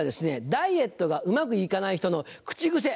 ダイエットがうまく行かない人の口癖。